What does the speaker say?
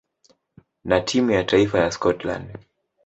na timu ya taifa ya Scotland.